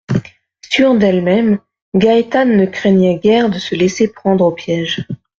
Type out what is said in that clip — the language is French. Sûre d’elle-même, Gaétane ne craignait guère de se laisser prendre au piège.